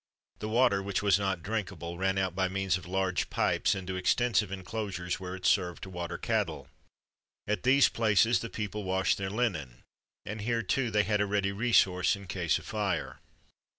[XXV 20] The water which was not drinkable ran out by means of large pipes into extensive inclosures, where it served to water cattle. At these places the people washed their linen, and here, too, they had a ready resource in case of fire.